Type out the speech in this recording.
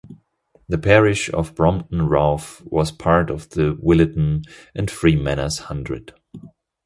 The parish of Brompton Ralph was part of the Williton and Freemanners Hundred.